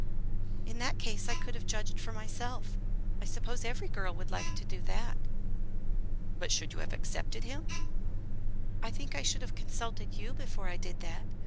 "In that case I could have judged for myself. I suppose every girl would like to do that." "But should you have accepted him?" "I think I should have consulted you before I did that.